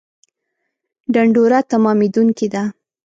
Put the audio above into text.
ډنډوره تمامېدونکې ده